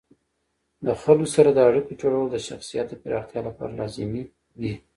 د خلکو سره د اړیکو جوړول د شخصیت د پراختیا لپاره لازمي دي.